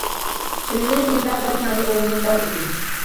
ئۆينىڭ يېنىدا بىر كەڭرى ئورۇندۇق بار ئىدى.